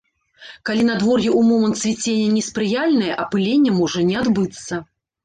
Калі надвор'е ў момант цвіцення неспрыяльнае, апыленне можа не адбыцца.